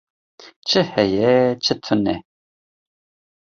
Çi heye çi tune?